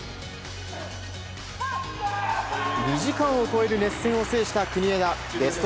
２時間を超える熱戦を制した国枝。